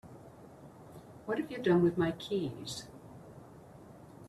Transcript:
What have you done with my keys?